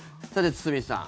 堤さん